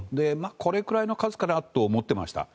これくらいの数かなと思ってました。